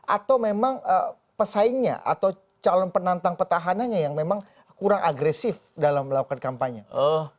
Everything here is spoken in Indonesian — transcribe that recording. atau memang pesaingnya atau calon penantang petahananya yang memang kurang agresif dalam melakukan kampanye